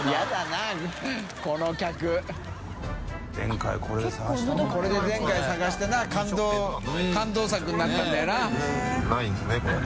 海譴覗芦探してな感動作になったんだよな。